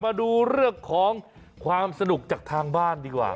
มาดูเรื่องของความสนุกจากทางบ้านดีกว่า